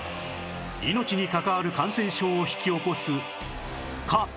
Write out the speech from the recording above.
命に関わる感染症を引き起こす蚊